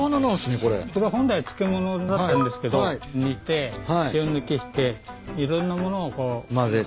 これは本来漬物になってんですけど煮て塩抜きしていろんな物をこう人によって。